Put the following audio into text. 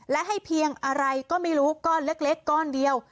และให้เพียงอะไรก็ไม่รู้ก้อนเล็กก้อนเดียว